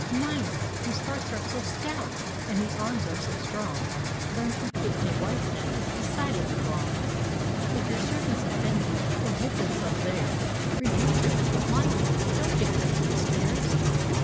Knights! — ^whose hearts are so stout, and whose arms are so strong, Lcam, — to twist a wife's neck is decidedly wrong! If your servants offend you, or give themselves airs, Rebuke them — but mildly — don't kick them down stairs!